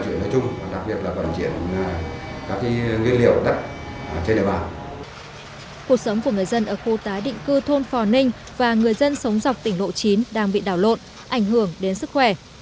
cuộc sống của người dân ở khu tái định cư thôn phò ninh và người dân sống dọc tỉnh lộ chín đang bị đảo lộn ảnh hưởng đến sức khỏe